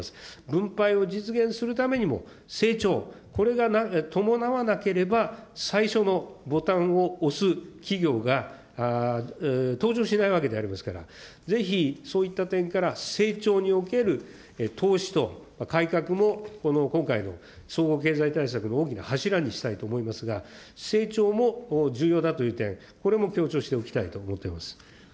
分配を実現するためにも、成長、これが伴わなければ、最初のボタンを押す企業が登場しないわけでありますから、ぜひ、そういった点から、成長における投資と改革も、今回の総合経済対策の大きな柱にしたいと思いますが、成長も重要だという点、これも強調しておきたいと思ってます。